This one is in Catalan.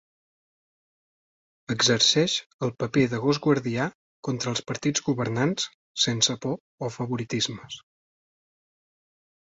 Exerceix el paper de gos guardià contra els partits governants sense por o favoritismes.